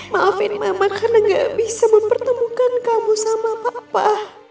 maafin mama karena gak bisa mempertemukan kamu sama papa